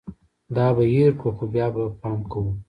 دا به هېر کړو ، خو بیا به پام کوو